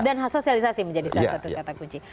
dan sosialisasi menjadi salah satu kata kunci